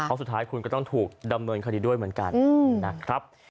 เพราะสุดท้ายคุณก็ต้องถูกดำเนินคดีด้วยเหมือนกันนะครับ